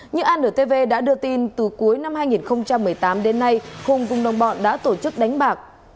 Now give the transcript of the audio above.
như an nửa tv đã đưa tin từ cuối năm hai nghìn một mươi tám đến nay khung cung đồng bọn đã tổ chức đánh bạc